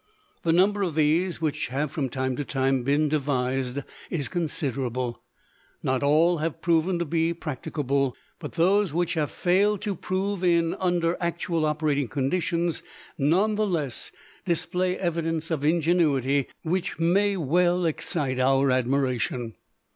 The number of these which have from time to time been devised is considerable. Not all have proven to be practicable, but those which have failed to prove in under actual operating conditions none the less display evidence of ingenuity which may well excite our admiration.